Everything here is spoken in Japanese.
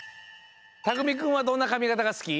たくみくんはどんなかみがたがすき？